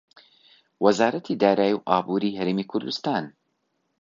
وەزارەتی دارایی و ئابووری هەرێمی کوردستان